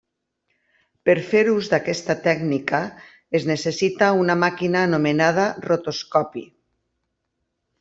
Per fer ús d'aquesta tècnica es necessita una màquina anomenada rotoscopi.